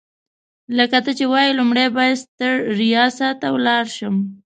لکه ته چي وايې، لومړی باید سټریسا ته ولاړ شم.